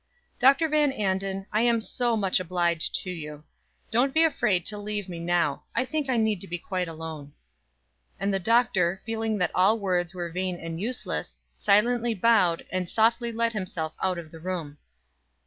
"Dr. Van Anden, I am so much obliged to you. Don't be afraid to leave me now. I think I need to be quite alone." And the Doctor, feeling that all words were vain and useless, silently bowed, and softly let himself out of the room.